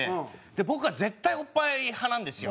僕は絶対オッパイ派なんですよ。